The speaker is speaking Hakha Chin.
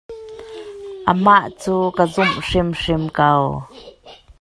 Amah cu ka zumh hrimhrim ko.